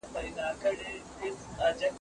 ملا بانګ د ویښتابه او خوب په منځ کې ورک و.